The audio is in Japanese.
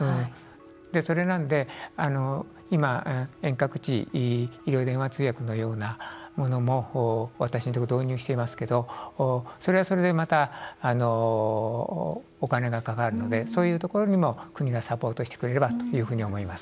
それなので今、遠隔地医療電話通訳のようなものも私のところ導入していますけどそれはそれでまた、お金がかかるのでそういうところにも国がサポートしてくれればというふうに思います。